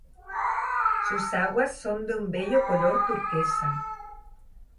Sus aguas son de un bello color turquesa.